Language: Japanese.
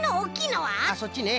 そっちね。